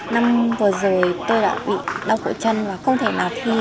năm vừa rồi tôi đã bị đau cổ chân và không thể nào thi